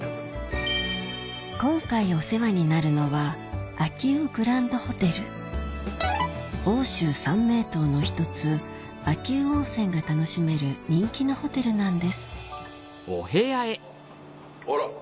今回お世話になるのは奥州三名湯の１つ秋保温泉が楽しめる人気のホテルなんですあら。